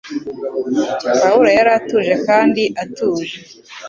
Pawulo yari atuje kandi atuje